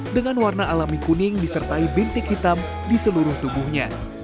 dengan warna alami kuning disertai bintik hitam di seluruh tubuhnya